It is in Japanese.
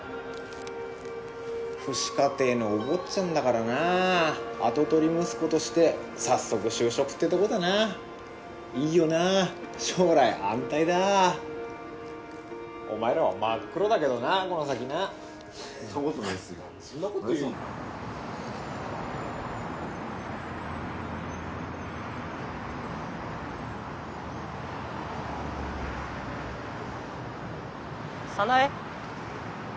父子家庭のお坊ちゃんだからな跡取り息子として早速就職ってとこだないいよな将来安泰だお前らは真っ黒だけどなこの先な・そんなことねぇっすよ・・早苗？